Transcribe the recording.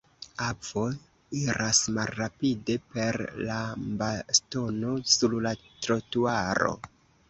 Avo iras malrapide per lambastono sur la trotuaro.